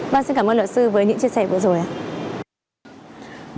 vâng xin cảm ơn lợi sư với những chia sẻ vừa rồi